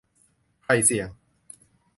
ใครเสี่ยง ?